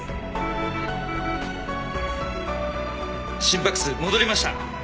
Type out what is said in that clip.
心拍数戻りました。